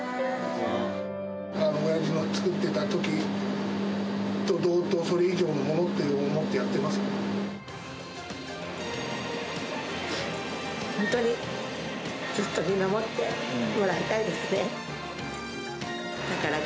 おやじが作ってたときと同等、それ以上のものをって思ってやってますから。